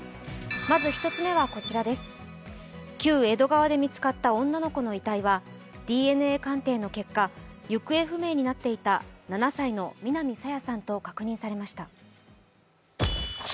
まず１つ目は、旧江戸川で見つかった女の子の遺体はＤＮＡ鑑定の結果行方不明になっていた７歳の南朝芽さんと確認されました。